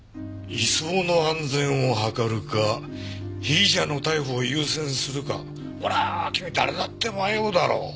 移送の安全を図るか被疑者の逮捕を優先するかこれは君誰だって迷うだろう。